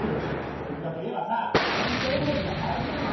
政治家といえばさ選挙演説が大事じゃない。